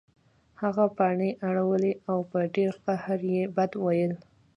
هغه پاڼې اړولې او په ډیر قهر یې بد ویل